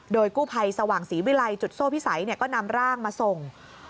โดยกู้ภัยสว่างศรีวิลัยจุดโซ่พิสัยก็นำร่างมาส่ง